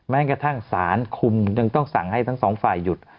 แม้กระทั่งสารคุมยังต้องสั่งให้ทั้งสองฝ่ายหยุด